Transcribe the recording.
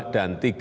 dua dan tiga